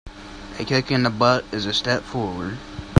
A kick in the butt is a step forward.